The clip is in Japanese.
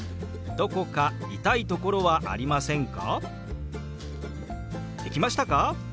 「どこか痛いところはありませんか？」。